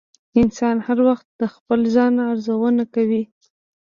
انسان هر وخت د خپل ځان ارزونه کوي.